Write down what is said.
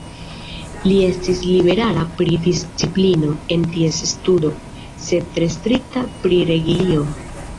Li estis liberala pri disciplino en ties studo, sed tre strikta pri religio.